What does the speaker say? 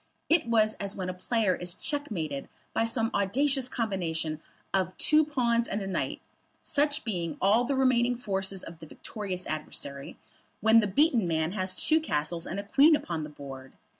It was as when a player is checkmated by some audacious combination of two pawns and a knight, such being all the remaining forces of the victorious adversary, when the beaten man has two castles and a queen upon the board.